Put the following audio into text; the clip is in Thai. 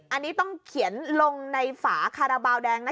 อันนี้ต้องเขียนลงในฝาคาราบาลแดงนะ